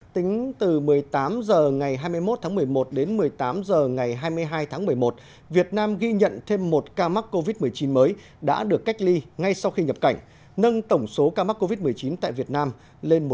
tính từ một mươi tám h ngày hai mươi một tháng một mươi một đến một mươi tám h ngày hai mươi hai tháng một mươi một việt nam ghi nhận thêm một ca mắc covid một mươi chín mới đã được cách ly ngay sau khi nhập cảnh nâng tổng số ca mắc covid một mươi chín tại việt nam lên một ca